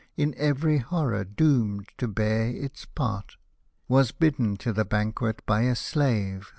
In every horror doomed to bear its. part !— Was bidden to the banquet by a slave.